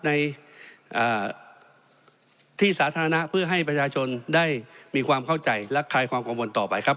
ในที่สาธารณะเพื่อให้ประชาชนได้มีความเข้าใจและคลายความกังวลต่อไปครับ